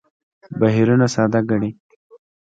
بهیرونه ساده ګڼي.